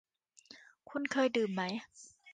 คุณเคยดื่มไหม